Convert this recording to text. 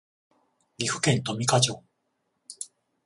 岐阜県富加町